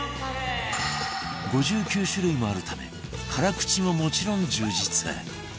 ５９種類もあるため辛口ももちろん充実